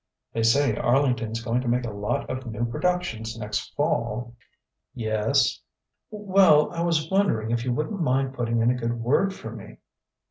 "They say Arlington's going to make a lot of new productions next Fall...." "Yes?" "Well, I was wondering if you wouldn't mind putting in a good word for me."